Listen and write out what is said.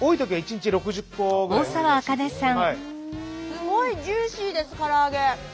すごいジューシーですから揚げ。